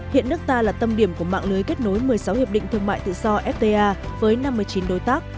hiện nước ta là tâm điểm của mạng lưới kết nối một mươi sáu hiệp định thương mại tự do fta với năm mươi chín đối tác